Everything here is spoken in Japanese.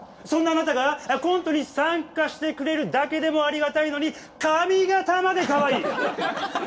そんなあなたがコントに参加してくれるだけでもありがたいのに髪形までかわいい！